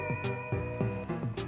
apaan sih dateng dateng udah main game